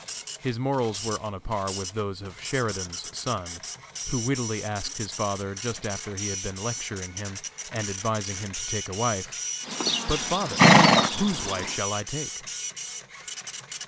His morals were on a par with those of Sheridan's son, who wittily asked his father, just after he had been lecturing him, and advising him to take a wife, "But, father, whose wife shall I take?"